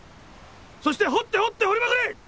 そして掘って掘って堀りまくれ！